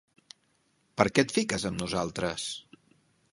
Per què et fiques amb nosaltres?